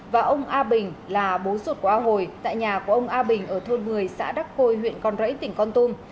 và ông a bình là bố ruột của a hồi tại nhà của ông a bình ở thôn một mươi xã đắc khôi huyện con rẫy tỉnh con tum